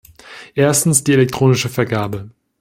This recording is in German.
Erstens die elektronische Vergabe.